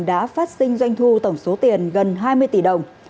đã phát sinh doanh thu tổng số tiền gần hai mươi tỷ đồng